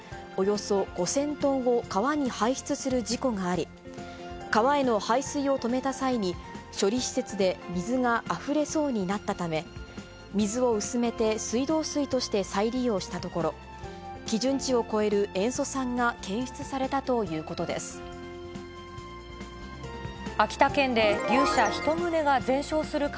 およそ５０００トンを川に排出する事故があり、川への排水を止めた際、処理施設で水があふれそうになったため、水を薄めて水道水として再利用したところ、基準値を超える塩素酸が検出されたということです。